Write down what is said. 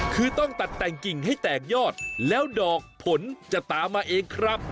คือต้องตัดแต่งกิ่งให้แตกยอดแล้วดอกผลจะตามมาเองครับ